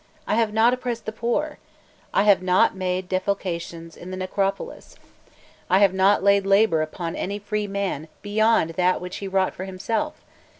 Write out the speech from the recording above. I have not oppressed the poor! I have not made defalcations in the necropolis! I have not laid labour upon any free man beyond that which he wrought for himself!